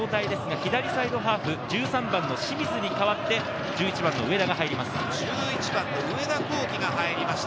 左サイドハーフ、１３番の清水に代わって１１番の上田入ります。